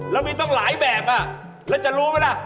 แล้วมีตั้งหลายแบบแล้วจะรู้ไหมล่ะ